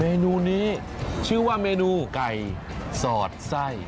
เมนูนี้ชื่อว่าเมนูไก่สอดไส้